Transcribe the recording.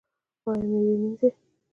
ایا میوه مینځئ؟